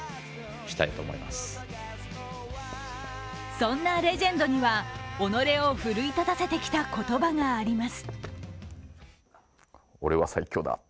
そんなレジェンドには、己を奮い立たせてきた言葉があります。